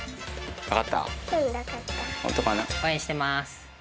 応援してます。